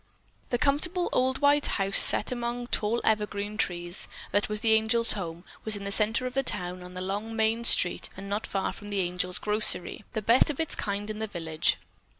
The comfortable old white house set among tall evergreen trees that was the Angel's home was in the center of town on the long main street and not far from the Angel grocery, the best of its kind in the village.